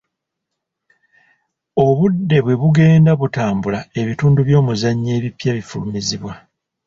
Obudde bwe bugenda butambula ebitundu by'omuzannyo ebipya bifulumizibwa.